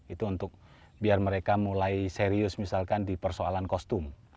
itu untuk biar mereka mulai serius misalkan di persoalan kostum